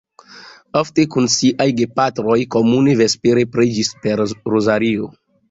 Ofte kun siaj gepatroj komune vespere preĝis per rozario.